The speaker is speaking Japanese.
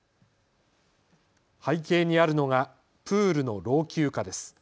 背景にあるのがプールの老朽化です。